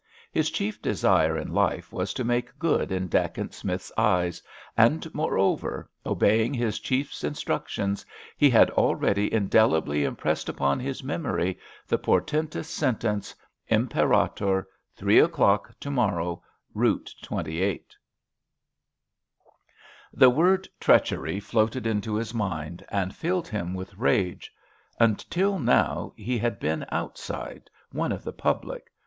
His chief desire in life was to make good in Dacent Smith's eyes, and, moreover, obeying his chief's instructions, he had already indelibly impressed upon his memory the portentous sentence: "Imperator—three o'clock to morrow. Route 28." The word "treachery" floated into his mind, and filled him with rage. Until now he had been outside—one of the public.